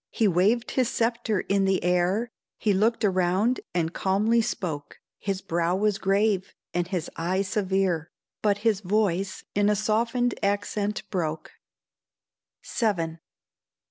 He waved his sceptre in the air, He looked around and calmly spoke; His brow was grave and his eye severe, But his voice in a softened accent broke: VII.